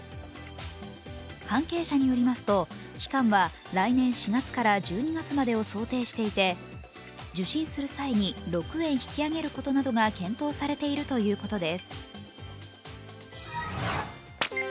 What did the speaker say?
関係者によると、期間は来年４月から１２月までを想定していて受診する際に６円引き上げることなどが検討されているということです。